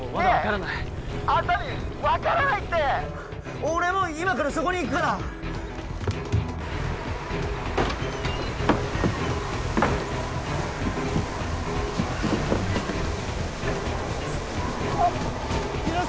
☎ねえ浅見分からないって俺も今からそこに行くから広沢！